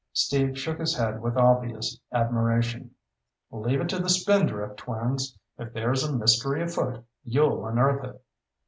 Steve shook his head with obvious admiration. "Leave it to the Spindrift twins! If there's a mystery afoot, you'll unearth it.